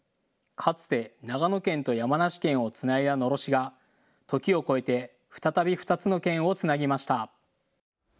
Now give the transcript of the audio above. かつて長野県と山梨県をつないだのろしが時を越えて再び２つの県をつなぎました。